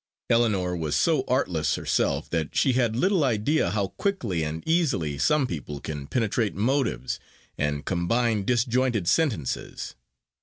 Ellinor was so artless herself, that she had little idea how quickly and easily some people can penetrate motives, and combine disjointed sentences.